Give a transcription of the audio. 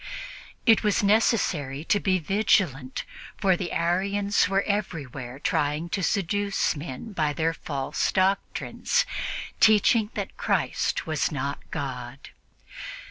It was necessary to be vigilant, for the Arians were everywhere trying to seduce men by their false doctrines, teaching that Christ was not God.